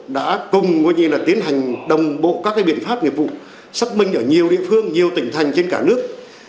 đã cùng tiến hành đồng bộ các biện pháp nghiệp vụ xác minh ở nhiều địa phương nhiều tỉnh thành trên cả nước